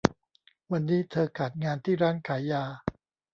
วันนี้เธอขาดงานที่ร้านขายยา